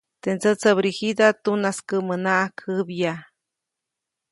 Teʼ ndsätsäbrigida tunaskäʼmänaʼajk jäbya.